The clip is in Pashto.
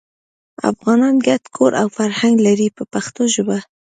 افغانان ګډ کور او فرهنګ لري په پښتو ژبه.